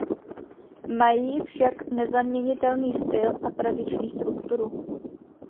Mají však nezaměnitelný styl a tradiční strukturu.